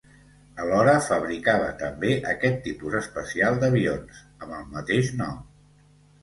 Alhora, fabricava també aquests tipus especial d'avions, amb el mateix nom.